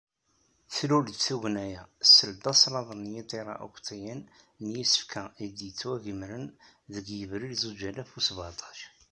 Tlul-d tugna-a, seld aslaḍ n yiṭira-ukṭiyen n yisefka i d-yettwagemren deg yebrir zuǧ alaf u sbeεṭac.